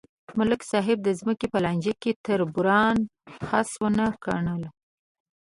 ملک صاحب د ځمکې په لانجه کې تربوران خس ونه ګڼل.